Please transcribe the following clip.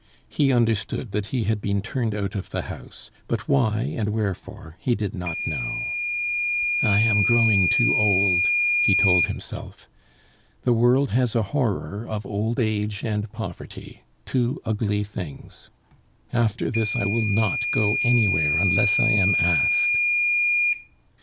He understood that he had been turned out of the house, but why and wherefore he did not know. "I am growing too old," he told himself. "The world has a horror of old age and poverty two ugly things. After this I will not go anywhere unless I am asked."